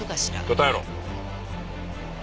答えろ。